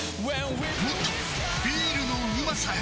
もっとビールのうまさへ！